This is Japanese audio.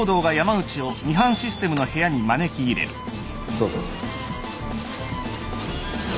どうぞ。